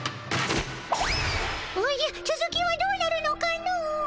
おじゃつづきはどうなるのかの。